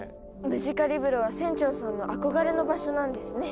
ムジカリブロは船長さんの憧れの場所なんですね。